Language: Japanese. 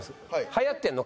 はやってんの？